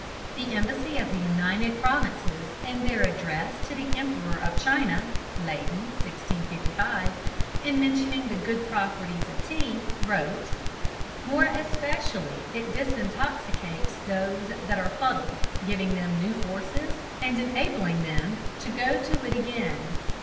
The Embassy of the United Provinces in their address to the Emperor of China (Leyden, 1655), in mentioning the good properties of tea, wrote: "More especially it disintoxicates those that are fuddl'd, giving them new forces, and enabling them to go to it again."